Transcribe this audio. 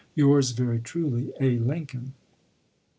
Yours very truly, A. Lincoln.